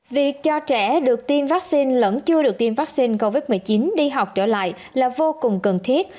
việc cho trẻ được tiêm vaccine lẫn chưa được tiêm vaccine covid một mươi chín đi học trở lại là vô cùng cần thiết